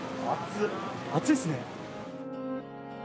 暑いっすね。